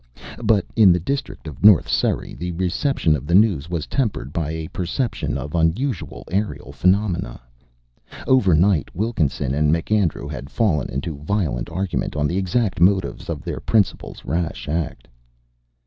But in the district of North Surrey the reception of the news was tempered by a perception of unusual aerial phenomena. Overnight Wilkinson and MacAndrew had fallen into violent argument on the exact motives of their principal's rash act.